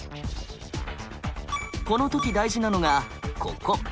この時大事なのがここ。